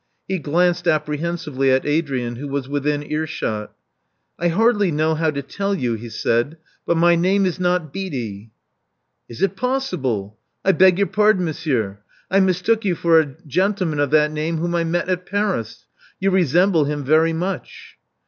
He glanced apprehensively at Adrian, who was within earshot. I hardly know how to tell you," he said: but my name is not Beatty." Is it possible! I beg your pardon, monsieur: I mistook you for a zhentleman of that name, whom I met at Paris. You resemble him very much."